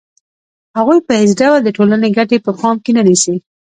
هغوی په هېڅ ډول د ټولنې ګټې په پام کې نه نیسي